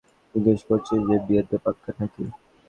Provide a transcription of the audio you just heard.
জিজ্ঞেস করছিস যে বিয়ে তো পাক্কা না-কি।